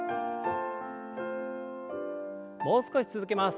もう少し続けます。